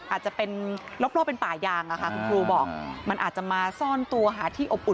อาจจะเป็นลอบเป็นป่ายางอะค่ะคุณครูบอกมันอาจจะมาซ่อนตัวหาที่อบอุ่น